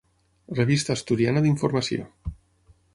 Revista asturiana d'informació.